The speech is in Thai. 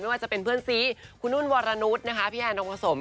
ไม่ว่าจะเป็นเพื่อนซีคุณอุ่นวรนุษย์พี่แอร์น้องผสม